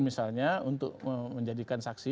misalnya untuk menjadikan saksi